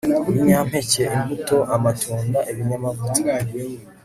Ibinyampeke imbuto amatunda ibinyamavuta